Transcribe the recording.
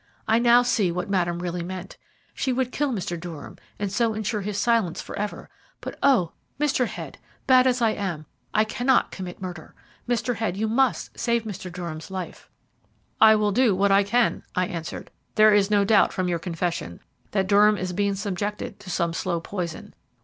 I now see what Madame really meant. She would kill Mr. Durham and so insure his silence for ever; but, oh! Mr. Head, bad as I am, I cannot commit murder. Mr. Head, you must save Mr. Durham's life." "I will do what I can," I answered. "There is no doubt, from your confession, that Durham is being subjected to some slow poison.